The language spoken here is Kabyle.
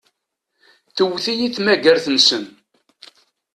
Tewwet-iyi tmagart-nsen.